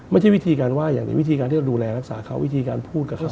ไม่ใช่วิธีการว่าอย่างนี้วิธีการที่จะดูแลรักษาเขาวิธีการพูดกับเขา